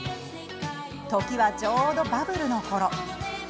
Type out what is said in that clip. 時はちょうどバブルのころ。